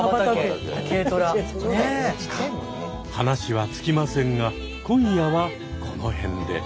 話は尽きませんが今夜はこの辺で。